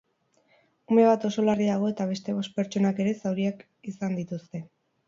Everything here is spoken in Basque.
Ume bat oso larri dago eta beste bost pertsonak ere zauriak izan dituzte.